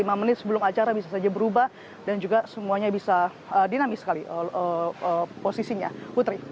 lima menit sebelum acara bisa saja berubah dan juga semuanya bisa dinamis sekali posisinya putri